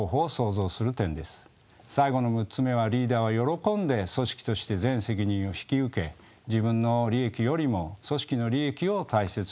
最後の６つ目はリーダーは喜んで組織として全責任を引き受け自分の利益よりも組織の利益を大切に考える。